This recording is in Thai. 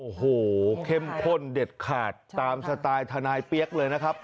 โอ้โหเข้มข้นเด็ดขาดตามสไตล์ทนายเปี๊ยกเลยนะครับ